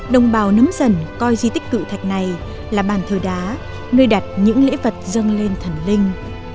đông bào nấm dần coi di tích cực thạch này là bản thờ đá nơi đặt những lễ vật dâng lên thần linh